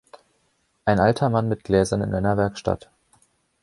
Ein alter Mann mit Gläsern in einer Werkstatt.